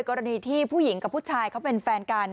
กรณีที่ผู้หญิงกับผู้ชายเขาเป็นแฟนกัน